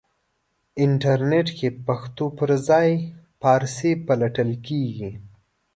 انټرنېټ کې پښتو پرځای فارسی پلټل کېږي.